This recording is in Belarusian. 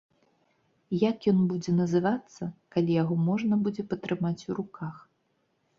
Як ён будзе называцца, калі яго можна будзе патрымаць у руках?